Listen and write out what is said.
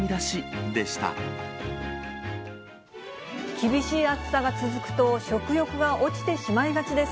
厳しい暑さが続くと、食欲が落ちてしまいがちです。